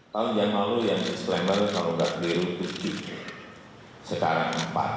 paham jangan malu yang disclaimer kalau gak berutuh di sekarang empat